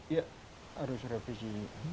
ya harus refisi